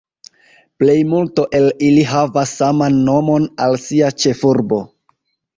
Plejmulto el ili havas saman nomon al sia ĉefurbo.